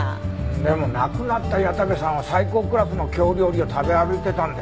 でも亡くなった矢田部さんは最高クラスの京料理を食べ歩いてたんだよね？